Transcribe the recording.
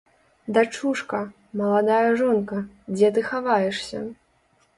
Дачушка, маладая жонка, дзе ты хаваешся?